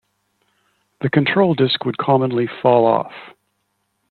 The control disc would commonly fall off.